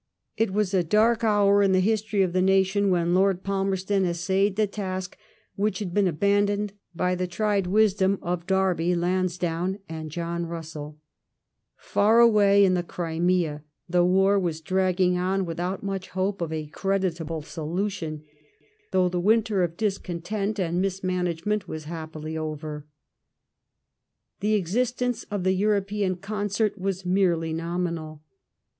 It was a dark hour in the history of the nation when Lord Palmerston essayed the task which had been abandoned by the tried wisdom of Derby, LansdownCi and John BusselL Far away in the Orimea the war was dragging on without much hope of a creditable solution, though the winter of discontent and mis management was happily over. The existence of the European concert was merely nominal.